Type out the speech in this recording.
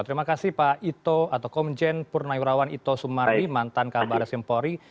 terima kasih pak ito atau komjen purna yurawan ito sumardi mantan kabar simpori